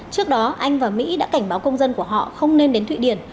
trước đó anh và mỹ đã cảnh báo công dân của họ không nên đến thụy điển